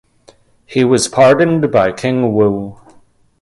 He was pardoned by King Wu.